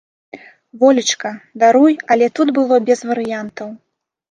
Волечка, даруй, але тут было без варыянтаў.